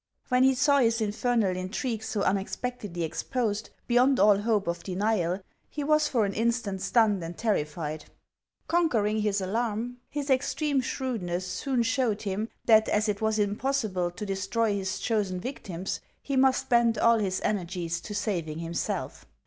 "When he saw his infernal intrigue so unexpectedly ex posed, beyond all hope of denial, he was for an instant stunned and terrified. Conquering his alarm, his extreme 508 HANS OF ICELAND. shrewdness soon showed him that as it was impossible to destroy his chosen victims, he must bend all his energies to saving himself.